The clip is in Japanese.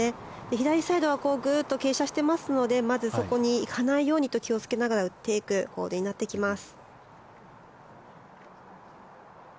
左サイドはぐっと傾斜していますのでまず、そこに行かないように気をつけながら打っていくホールになっています。